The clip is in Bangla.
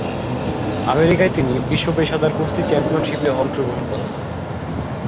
আমেরিকায় তিনি বিশ্ব পেশাদার কুস্তি চ্যাম্পিয়নশিপে অংশগ্রহণ করেন।